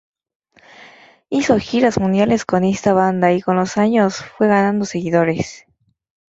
Hizo giras mundiales con esta banda y con los años, fue ganando seguidores.